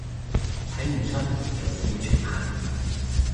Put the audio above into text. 睇唔出，條褲全黑